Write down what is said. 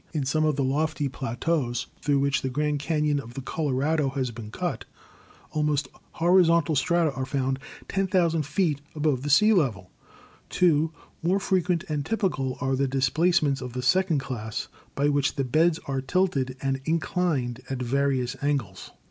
In some of the lofty plateaus through which the Grand Canon of the Colorado has been cut almost horizontal strata are found 10,000 feet above the sea level. (2) More frequent and typical are the displacements of the second class, by which the beds are tilted and inclined at various angles.